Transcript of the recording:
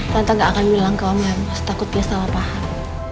tante gak akan bilang ke om lemos takut dia salah paham